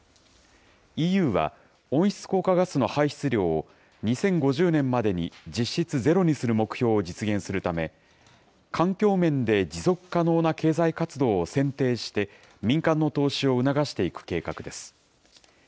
ＥＵは、温室効果ガスの排出量を２０５０年までに実質ゼロにする目標を実現するため、環境面で持続可能な経済活動を選定して、民間の投資を促していく計画です。